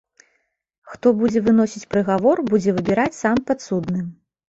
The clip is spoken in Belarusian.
Хто будзе выносіць прыгавор будзе выбіраць сам падсудны.